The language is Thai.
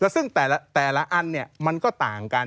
ซึ่งแต่ละอันมันก็ต่างกัน